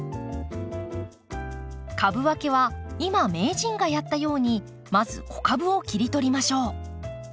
株分けは今名人がやったようにまず子株を切り取りましょう。